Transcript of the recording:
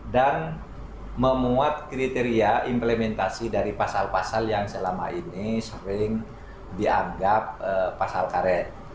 dan memuat kriteria implementasi dari pasal pasal yang selama ini sering dianggap pasal karet